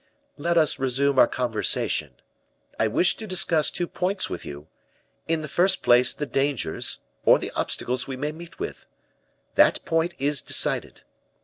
"Let us resume our conversation. I wished to discuss two points with you; in the first place the dangers, or the obstacles we may meet with. That point is decided.